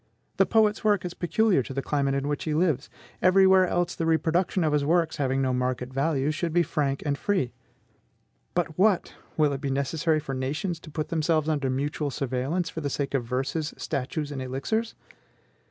The poet's work is peculiar to the climate in which he lives; every where else the reproduction of his works, having no market value, should be frank and free. But what! will it be necessary for nations to put themselves under mutual surveillance for the sake of verses, statues, and elixirs?